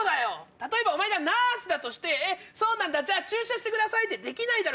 例えばお前がナースだとしてじゃあ注射してくださいってできないだろ？